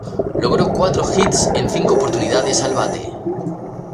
Logró cuatro hits en cinco oportunidades al bate.